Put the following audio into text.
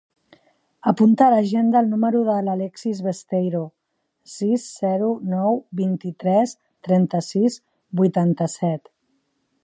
Apunta a l'agenda el número de l'Alexis Besteiro: sis, zero, nou, vint-i-tres, trenta-sis, vuitanta-set.